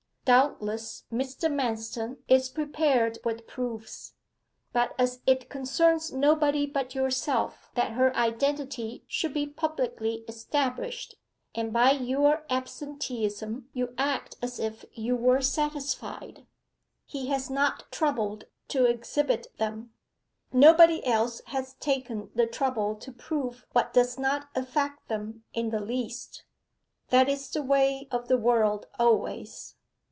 Doubtless Mr. Manston is prepared with proofs, but as it concerns nobody but yourself that her identity should be publicly established (and by your absenteeism you act as if you were satisfied) he has not troubled to exhibit them. Nobody else has taken the trouble to prove what does not affect them in the least that's the way of the world always.